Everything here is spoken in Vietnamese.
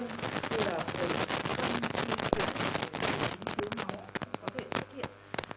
như là có những triệu chứng của dưới máu có thể thực hiện